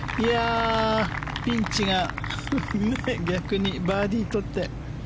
ピンチが逆にバーディー取って。